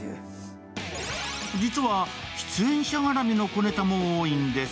実は、出演者絡みの小ネタも多いんです。